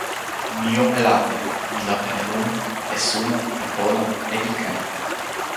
mi jo e lape. mi lape e mun e suno e pona e ike.